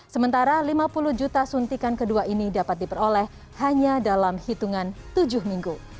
sementara lima puluh juta suntikan kedua ini dapat diperoleh hanya dalam hitungan tujuh minggu